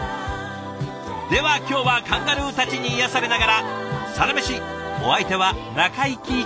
では今日はカンガルーたちに癒やされながら「サラメシ」お相手は中井貴一でした。